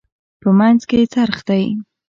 په منځ کې یې څرخ دی.